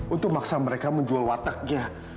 untuk maksa mereka menjual wartegnya